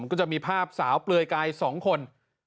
ก็จะมีภาพสาวเปลือยกาย๒คน